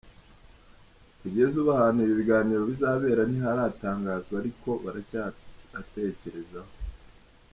Kugeza ubu, ahantu ibi biganiro bizabera ntiharatangazwa ariko baracyahatekerezaho.